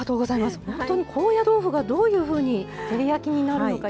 本当に高野豆腐がどんなふうに照り焼きになるのか。